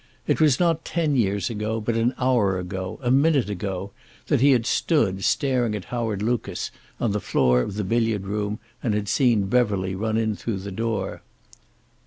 It was not ten years ago, but an hour ago, a minute ago, that he had stood staring at Howard Lucas on the floor of the billiard room, and had seen Beverly run in through the door.